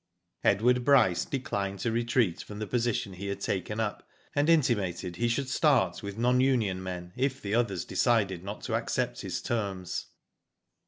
Edward Bryce declined to retreat from the position he had taken up, and intimated he should start with non union men, if the others decided not to accept his terms.